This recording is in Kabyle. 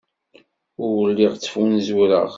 Ur lliɣ ttfunzureɣ.